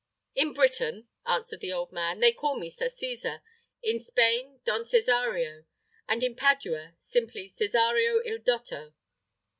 "In Britain," answered the old man, "they call me Sir Cesar; in Spain, Don Cesario; and in Padua, simply Cesario il dotto."